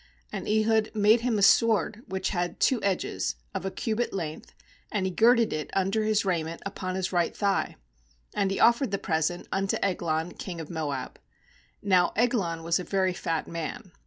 16And Ehud made him a sword which had two edges, of a cubit length; and he girded it under his raiment upon his right thigh. "And he offered the present unto Eglon king of Moab — now Eglon was a very fat man.